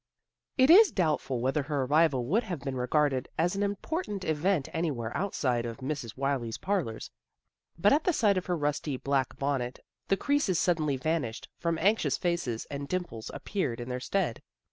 It is doubtful whether her arrival would have been regarded as an important event anywhere outside of Mrs. Wylie's parlors. But at the sight of her rusty black bonnet the creases sud denly vanished from anxious faces and dimples appeared in their stead.